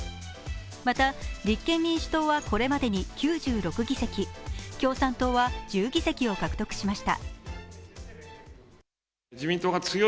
また、立憲民主党はこれまでに９６議席共産党は１１議席を獲得しました。